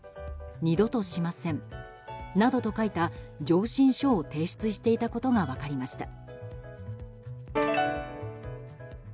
「二度としません」などと書いた上申書を提出していたことが分かりました。